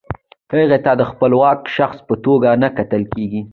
هغې ته د خپلواک شخص په توګه نه کتل کیږي.